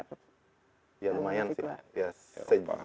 ya lumayan sih